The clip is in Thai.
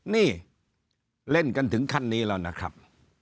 นี่เล่นกันถึงขั้นนี้แล้วนะครับ